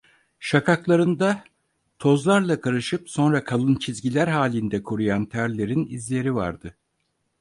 Şakaklarında, tozlarla karışıp sonra kalın çizgiler halinde kuruyan terlerin izleri vardı.